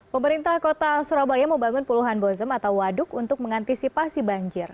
pemerintah kota surabaya membangun puluhan bozem atau waduk untuk mengantisipasi banjir